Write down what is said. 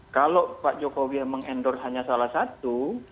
kalau pak jokowi memang endorse hanya salah satu